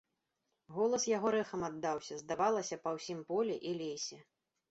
Голас яго рэхам аддаўся, здавалася, па ўсім полі і лесе.